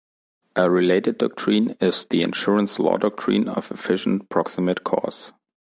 A related doctrine is the insurance law doctrine of efficient proximate cause.